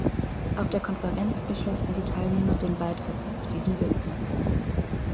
Auf der Konferenz beschlossen die Teilnehmer den Beitritt zu diesem Bündnis.